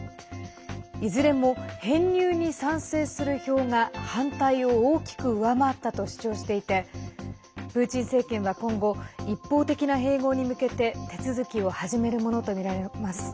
いずれも編入に賛成する票が反対を大きく上回ったと主張していてプーチン政権は今後一方的な併合に向けて手続きを始めるものとみられます。